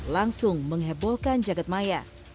langsung mengebohkan jagad maya